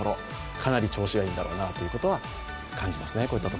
かなり調子がいいんだろうなということは感じますね。